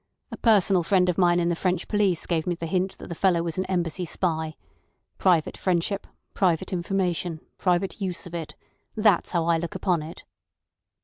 A personal friend of mine in the French police gave me the hint that the fellow was an Embassy spy. Private friendship, private information, private use of it—that's how I look upon it."